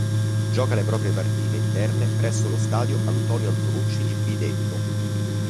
Gioca le proprie partite interne presso lo stadio Antonio Antonucci di Bitetto.